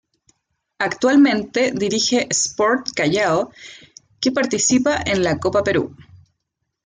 Actualmente dirige a Sport Callao que participa en la Copa Perú.